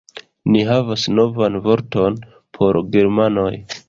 Ni havas novan vorton por germanoj